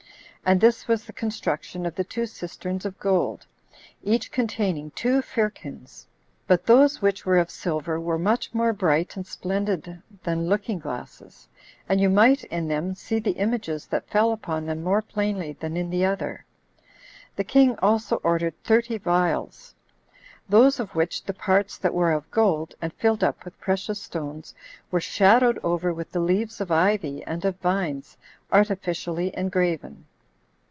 And this was the construction of the two cisterns of gold, each containing two firkins. But those which were of silver were much more bright and splendid than looking glasses, and you might in them see the images that fell upon them more plainly than in the other. The king also ordered thirty vials; those of which the parts that were of gold, and filled up with precious stones, were shadowed over with the leaves of ivy and of vines, artificially engraven.